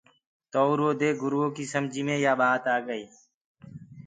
تو اُرو دي گُريو ڪي سمجي مي يآ ٻآت آگي۔